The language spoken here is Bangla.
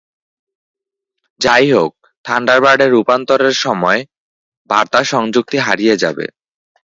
যাইহোক, থান্ডারবার্ডে রূপান্তরের সময় বার্তা সংযুক্তি হারিয়ে যাবে।